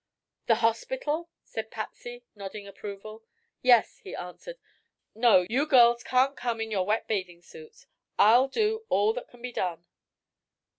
"The hospital?" said Patsy, nodding approval. "Yes," he answered. "No; you girls can't come in your wet bathing suits. I'll do all that can be done."